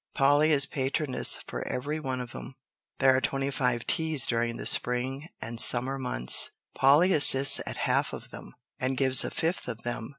Polly is patroness for every one of 'em. There are twenty five teas during the spring and summer months. Polly assists at half of them, and gives a fifth of them.